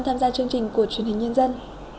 tham gia chương trình của truyền hình nhân dân